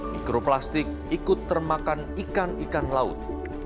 mikroplastik ikut termakan ikan ikan laut